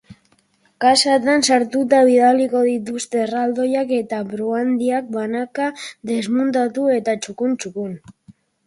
Kaxatan sartuta bidaliko dituzte erraldoiak eta bruhandiak banaka desmuntatu eta txukun txukun jasota.